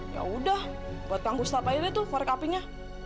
ya udah buat kang ustaz aja deh tuh for apinya